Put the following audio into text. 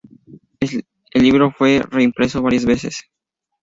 El libro fue reimpreso varias veces.